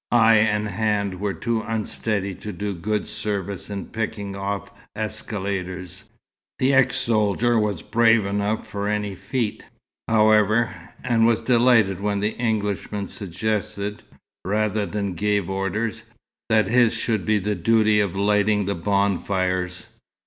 Eye and hand were too unsteady to do good service in picking off escaladers. The ex soldier was brave enough for any feat, however, and was delighted when the Englishman suggested, rather than gave orders, that his should be the duty of lighting the bonfires.